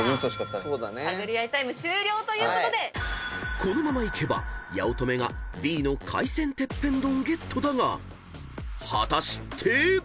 ［このままいけば八乙女がＢの海鮮てっぺん丼ゲットだが果たして］